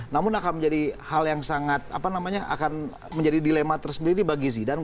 namun akan menjadi hal yang sangat apa namanya akan menjadi dilema tersendiri bagi zidan